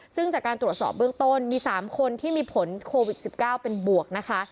ซึ่งจากการตรวจสอบเบื้องต้นมี๓คนที่มีผลโควิด๑๙เป็นบวกนะคะ